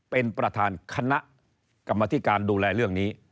เป็นประธานคณะกรรมธิการดูแลเรื่องนี้